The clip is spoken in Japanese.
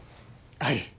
はい。